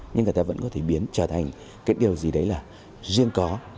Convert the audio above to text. nhưng người ta vẫn có thể biến trở thành cái điều gì đấy là riêng có